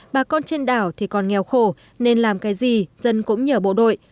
bà con trên đảo thì còn nghèo khổ nên làm cái gì dân cũng nhờ bộ đội